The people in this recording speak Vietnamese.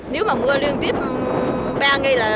nếu mà mưa liên tiếp be ngay là nước nó nhảy lăng